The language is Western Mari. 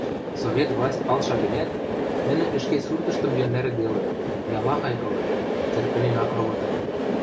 Совет власть палша гӹнят, нӹнӹ ӹшке суртыштым йӧндӓрӹделыт, ялахай ылыт, цӹркӹнен ак ровотаеп.